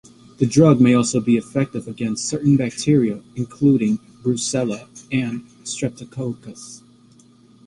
The drug may also be effective against certain bacteria including "Brucella" and "Streptococcus".